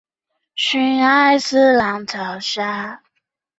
特别的是剧场版的故事是以像机动警察般展开而引发话题。